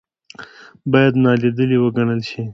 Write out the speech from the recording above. باید نا لیدلې وګڼل شي.